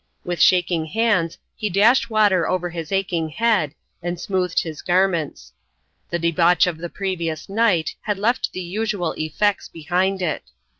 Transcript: With shaking hands he dashed water over his aching head, and smoothed his garments. The debauch of the previous night had left the usual effects behind it.